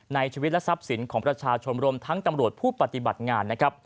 ในชีวิตและทรัพย์สินของประชาชนรวมทั้งตำรวจผู้ปฏิบัติงานนะครับ